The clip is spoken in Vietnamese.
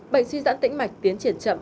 bệnh suy dãn tĩnh mạch tiến triển chậm